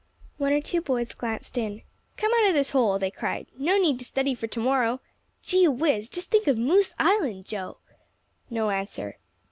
One or two boys glanced in. "Come out of this hole," they cried. "No need to study for to morrow. Gee whiz! just think of Moose Island, Joe." No answer.